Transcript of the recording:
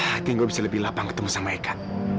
hati gue bisa lebih lapang ketemu sama ikan